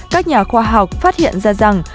các nhà khoa học phát hiện ra rằng